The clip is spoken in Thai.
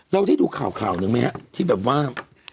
แล้วที่ดูข่าวหนึ่งมั้ยที่แบบว่า